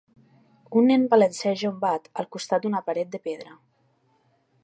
Un nen balanceja un bat al costat d'una paret de pedra.